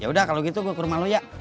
yaudah kalau gitu gue ke rumah lu ya